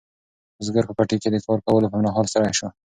بزګر په پټي کې د کار کولو پر مهال ستړی شو.